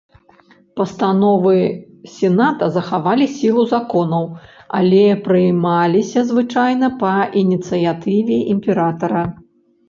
Пастановы сената захавалі сілу законаў, але прымаліся звычайна па ініцыятыве імператара.